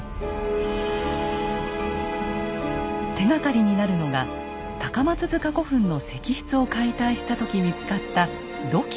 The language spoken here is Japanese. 手がかりになるのが高松塚古墳の石室を解体した時見つかった土器です。